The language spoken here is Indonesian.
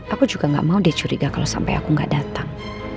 aku juga gak mau dia curiga kalau sampai aku gak datang